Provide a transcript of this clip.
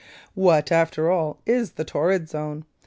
What, after all, is the torrid zone?